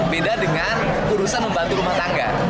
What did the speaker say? beda dengan urusan membantu rumah tangga